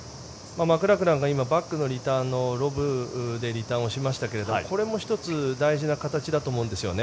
マクラクランがいいバックのロブでリターンをしましたけどこれも１つ大事な形だと思うんですね。